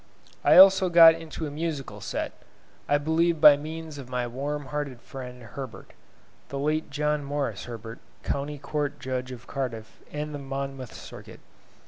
I also got into a musical set, I believe by means of my warm hearted friend, Herbert (The late John Maurice Herbert, County Court Judge of Cardiff and the Monmouth Circuit.)